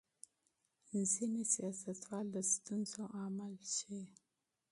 ځینې سیاستوال د ستونزو عامل ښيي.